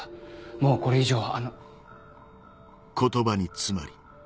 もうこれ以上はあの。